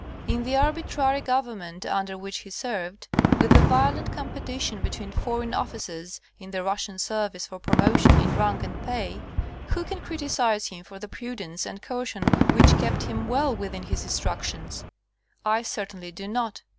In the arbitrary government under which he served, with the violent competition between foreign officers in the Russian service for promotion in rank and pay, who can criticise him for the prudence and caution which kept him well within his instructions? I certainly do not.